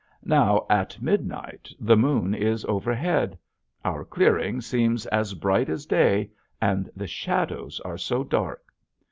Now at midnight the moon is overhead. Our clearing seems as bright as day, and the shadows are so dark!